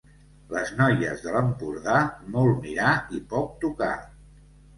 Les noies de l'Empordà, molt mirar i poc tocar.